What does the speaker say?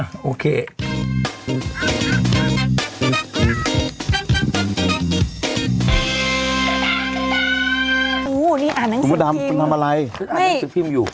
อ่านหนังสือพิมพ์คืออ่านหนังสือพิมพ์อยู่